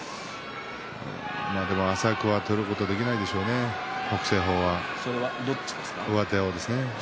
でも浅く取ることはできないでしょうね、北青鵬は上手をですね。